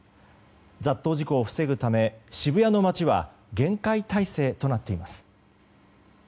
雑踏事故を防ぐため渋谷の街は厳戒態勢となっています。